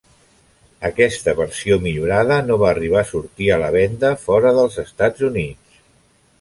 Aquesta versió millorada no va arribar a sortir a la venda fora dels Estats Units.